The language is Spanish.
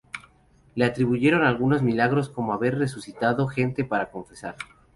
Le atribuyeron algunos milagros como el haber resucitado gente para confesar.